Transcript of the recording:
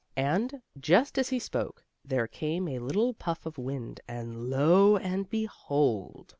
And, just as he spoke, there came a little puff of wind, and lo and behold!